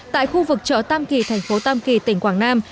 tại khu vực chợ tam kỳ thành phố tam kỳ tỉnh quảng nam